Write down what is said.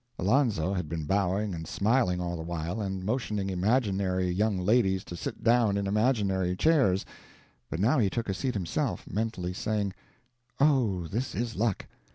Alonzo had been bowing and smiling all the while, and motioning imaginary young ladies to sit down in imaginary chairs, but now he took a seat himself, mentally saying, "Oh, this is luck!